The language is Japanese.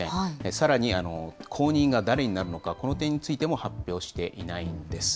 さらに、後任が誰になるのか、この点についても発表していないんです。